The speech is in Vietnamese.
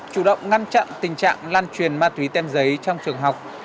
chủ động ngăn chặn tình trạng lan truyền ma túy tem giấy trong trường học